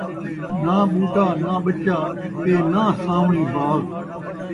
ناں ٻوٹا ناں ٻچہ ، تے ناں سان٘وݨی باغ